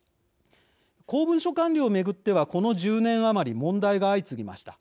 公文書管理を巡ってはこの１０年余り問題が相次ぎました。